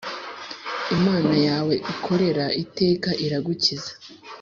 imana yawe ukorera iteka iragukiza